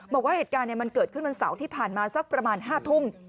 บอกว่าเหตุการณ์มันเกิดขึ้นวันเสาร์ที่ผ่านมาสักประมาณ๕ทุ่ม